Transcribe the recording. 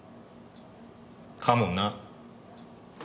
かもな。